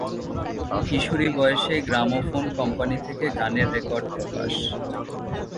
কিশোরী বয়সেই gramophone company থেকে গানের রেকর্ড প্রকাশ।